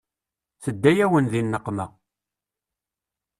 Tedda-yawen di nneqma.